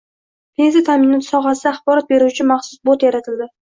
Pensiya ta’minoti sohasida axborot beruvchi maxsus bot yaratilding